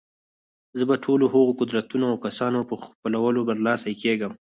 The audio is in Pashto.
زه به د ټولو هغو قدرتونو او کسانو په خپلولو برلاسي کېږم.